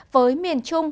với miền trung